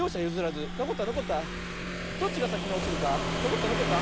どっちがさきにおちるか⁉のこったのこった！